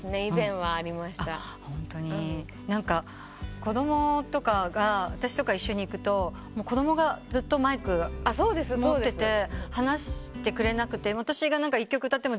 子供とかが私とか一緒に行くと子供がずっとマイク持ってて離してくれなくて。